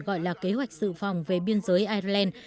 gọi là kế hoạch sự phòng về biên giới ireland